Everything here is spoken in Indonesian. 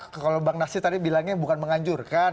kalau bang nasir tadi bilangnya bukan menganjurkan